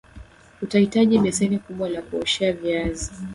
Utahitaji beseni kubwa la kuoshea viazi